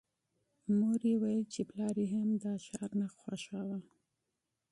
مور یې ویل چې پلار دې هم ښار نه خوښاوه